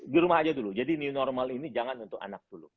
di rumah aja dulu jadi new normal ini jangan untuk anak dulu